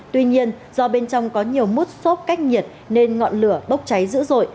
tuy nhiên do bên trong có nhiều mút xốp cách nhiệt nên ngọn lửa bốc cháy dữ dội